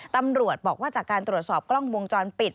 ตำรวจบอกว่าจากการตรวจสอบกล้องวงจรปิด